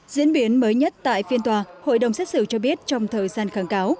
diễn biến mới nhất tại phiên tòa hội đồng xét xử cho biết trong thời gian kháng cáo